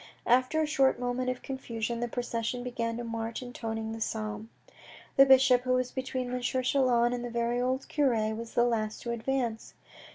After a short moment of confusion, the procession began to march intoning the psalm. The bishop, who was between M. Chelan and a very old cure, was the last to advance.